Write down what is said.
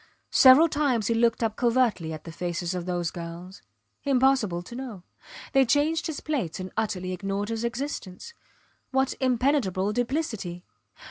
Several times he looked up covertly at the faces of those girls. Impossible to know. They changed his plates and utterly ignored his existence. What impenetrable duplicity.